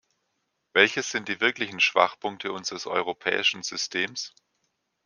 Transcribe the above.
Welches sind die wirklichen Schwachpunkte unseres europäischen Systems?